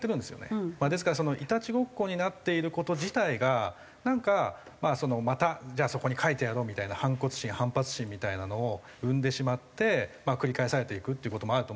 ですからイタチごっこになっている事自体がなんかまたじゃあそこに書いてやろうみたいな反骨心反発心みたいなのを生んでしまって繰り返されていくっていう事もあると思うんで。